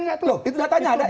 anda bisa buktikan enggak